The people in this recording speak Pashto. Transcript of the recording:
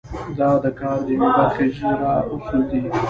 دا د کار د یوې برخې اجرا اصول دي.